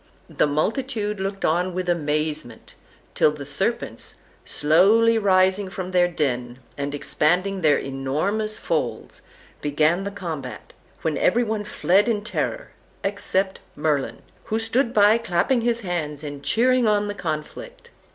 The multitude looked on with amazement, till the serpents, slowly rising from their den, and expanding their enormous folds, began the combat, when every one fled in terror, except Merlin, who stood by clapping his hands and cheering on the conflict.